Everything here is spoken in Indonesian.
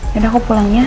ya udah aku pulang ya